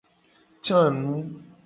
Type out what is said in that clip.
Ca nu.